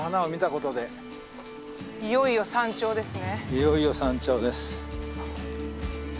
いよいよ山頂です。